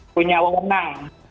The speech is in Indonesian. punya wang menang